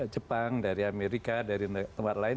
jepang dari amerika dari tempat lain